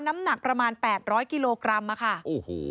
น้ำหนักประมาณแปดร้อยกิโลกรัมอ่ะค่ะโอ้โห